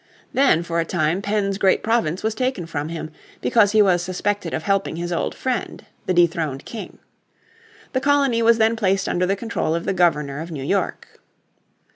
Then for a time Penn's great province was taken from him, because he was suspected of helping his old friend, the dethroned king. The colony was then placed under the control of the Governor of New York.